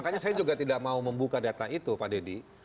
makanya saya juga tidak mau membuka data itu pak dedy